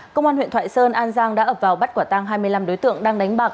công an huyện thoại sơn an giang đã ập vào bắt quả tăng hai mươi năm đối tượng đang đánh bạc